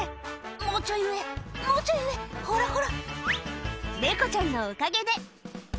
「もうちょい上もうちょい上ほらほら」